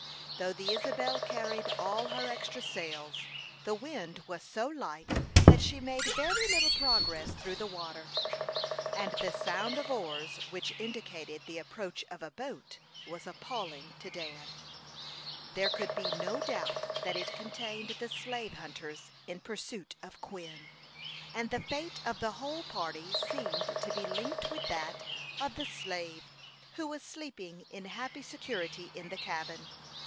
Though the Isabel carried all her extra sails, the wind was so light that she made very little progress through the water, and the sound of oars which indicated the approach of a boat was appalling to Dan. There could be no doubt that it contained the slave hunters in pursuit of Quin; and the fate of the whole party seemed to be linked with that of the slave, who was sleeping in happy security in the cabin.